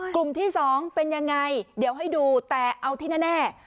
กลุ่มที่สองเป็นยังไงเดี๋ยวให้ดูแต่เอาที่แน่